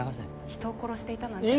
人を殺していたなんて。